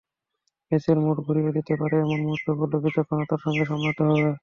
ম্যাচের মোড় ঘুরিয়ে দিতে পারে এমন মুহূর্তগুলো বিচক্ষণতার সঙ্গে সামলাতে হবে।